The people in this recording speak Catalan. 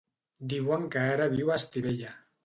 Diuen que ara viu a Estivella.